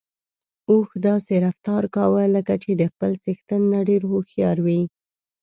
اوښ داسې رفتار کاوه لکه چې د خپل څښتن نه ډېر هوښيار وي.